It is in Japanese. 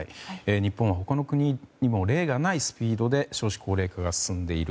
日本は他の国にも例がないスピードで少子高齢化が進んでいる。